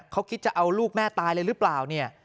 เขาคิดจะเอาลูกแม่ตายเลยหรือเปล่าเนี่ย